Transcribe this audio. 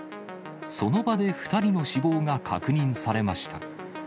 その場で２人の死亡が確認されました。